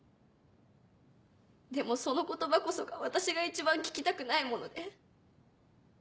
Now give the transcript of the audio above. でもその言葉こそが私が一番聞きたくないもので。